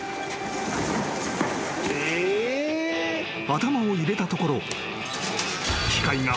［頭を入れたところ］